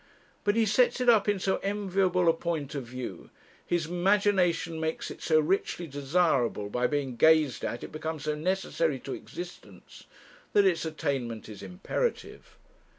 But he sets it up in so enviable a point of view, his imagination makes it so richly desirable, by being gazed at it becomes so necessary to existence, that its attainment is imperative.